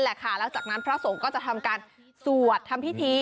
แล้วจากนั้นพระสงฆ์ก็จะทำการสวดทำพิธี